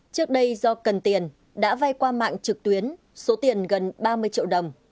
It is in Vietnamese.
trước đây do cần tiền đã vay qua mạng trực tuyến số tiền gần ba mươi triệu đồng